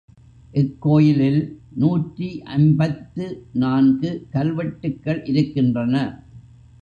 இக்கோயிலில் நூற்று ஐம்பத்து நான்கு கல்வெட்டுக்கள் இருக்கின்றன.